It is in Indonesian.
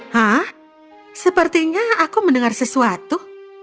hah sepertinya aku mendengar sesuatu